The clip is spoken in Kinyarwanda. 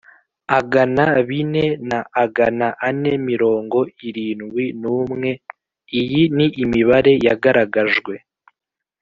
agana bine na agana ane mirongo irindwi n umwe Iyi ni imibare yagaragajwe